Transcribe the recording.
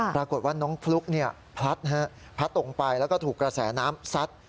ปรากฏว่าน้องฟลุ๊กพลัดพลัดตกไปแล้วก็ถูกกระแสน้ำซัด